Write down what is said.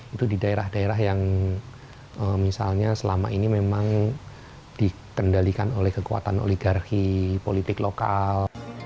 itu di daerah daerah yang misalnya selama ini memang dikendalikan oleh kekuatan oligarki politik lokal